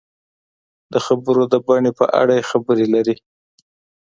د خبرو د بڼې په اړه یې خبرې لري.